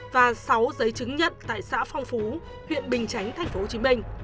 và sáu giấy chứng nhận tại xã phong phú huyện bình chánh tp hcm